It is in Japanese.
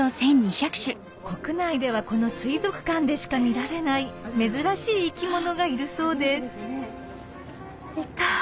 国内ではこの水族館でしか見られない珍しい生き物がいるそうですいた。